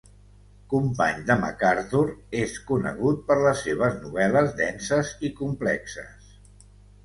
Company de MacArthur, és conegut per les seves novel·les denses i complexes.